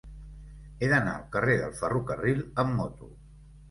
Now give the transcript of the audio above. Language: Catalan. He d'anar al carrer del Ferrocarril amb moto.